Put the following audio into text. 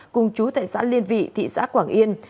cùng chú tại xã liên vị thị xã quảng yên